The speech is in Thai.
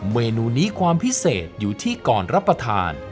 เมนูนี้ความพิเศษอยู่ที่ก่อนรับประทาน